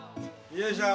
よいしょ！